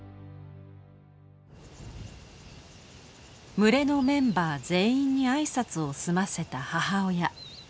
群れのメンバー全員に挨拶を済ませた母親。